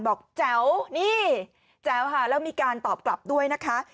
แจ๋วนี่แจ๋วค่ะแล้วมีการตอบกลับด้วยนะคะ